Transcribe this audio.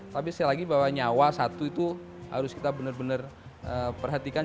tapi sekali lagi bahwa nyawa satu itu harus kita benar benar perhatikan